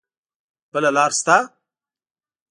بله لار شته؟